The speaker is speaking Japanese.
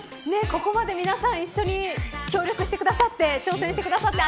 ここまで、皆さん一緒に協力してくださって挑戦してくださって